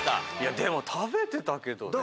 でも食べてたけどね。